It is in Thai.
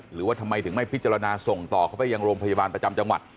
หรือว่าทำไมถึงไม่พิจารณาส่งต่อเข้าไปยังโรงพยาบาลประจำจังหวัด